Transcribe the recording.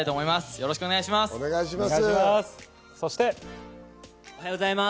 よろしくお願いします。